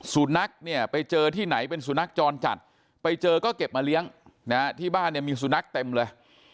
สุนัขเนี่ยไปเจอที่ไหนเป็นสุนัขจรจัดไปเจอก็เก็บมาเลี้ยงนะฮะที่บ้านเนี่ยมีสุนัขเต็มเลย